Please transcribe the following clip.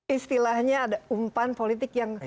istilahnya ada umpan politik yang